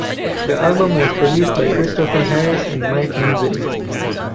The album was produced by Kristofer Harris and Mike Lindsay.